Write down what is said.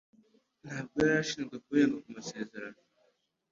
Ntabwo yari ashinzwe kurenga ku masezerano.